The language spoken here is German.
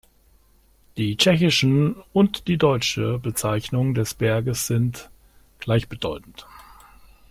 Die tschechische und die deutsche Bezeichnung des Berges sind gleichbedeutend.